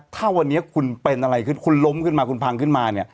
ถ้าวันนี้คุณเป็นอะไรคุณล้มขึ้นมาคุณพังขึ้นมา